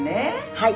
はい。